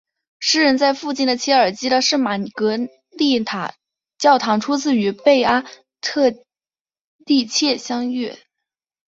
诗人在附近的切尔基的圣玛格丽塔教堂初次与贝阿特丽切相遇。